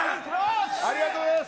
ありがとうございます。